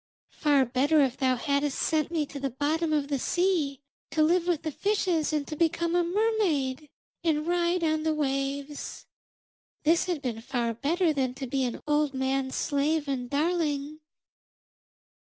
Far better if thou hadst sent me to the bottom of the sea, to live with the fishes and to become a mermaid and ride on the waves. This had been far better than to be an old man's slave and darling.'